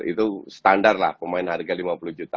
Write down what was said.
itu standar lah pemain harga lima puluh juta